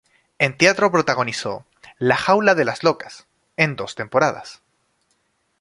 En teatro protagonizó "La jaula de las locas" en dos temporadas.